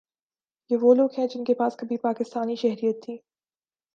یہ وہ لوگ ہیں جن کے پاس کبھی پاکستانی شہریت تھی